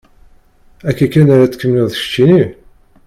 Akka kan ara tt-tkemmleḍ keččini?